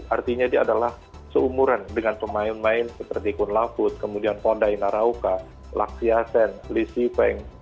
artinya dia adalah seumuran dengan pemain pemain seperti kun laput kemudian fondai naraoka laksiasen liz siveng